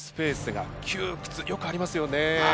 よくありますよね。